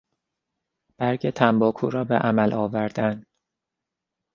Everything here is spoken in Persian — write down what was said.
برگ تنباکو را به عمل آوردن